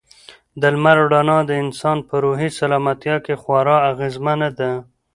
د لمر رڼا د انسان په روحي سلامتیا کې خورا اغېزمنه ده.